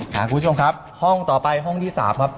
คุณผู้ชมครับห้องต่อไปห้องที่๓ครับ